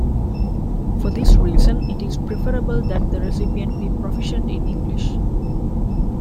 For this reason, it is preferable that the recipient be proficient in English.